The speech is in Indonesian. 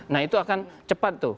nah itu akan cepat tuh